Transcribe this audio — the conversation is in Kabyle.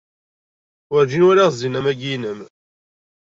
Werǧin walaɣ zzin am wagi-inem.